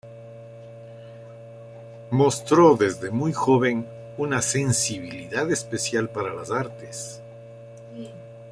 Mostró desde muy joven una sensibilidad especial para las artes.